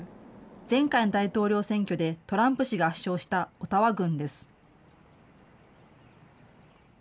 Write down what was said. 前回の大統領選挙でトランプ氏が圧勝したオタワ郡です。